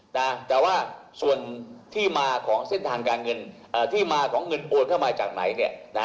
แต่ว่าส่วนที่มาของเส้นทางการเงินที่มาของเงินโอนเข้ามาจากไหนเนี่ยนะ